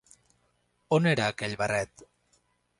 On era aquell barret?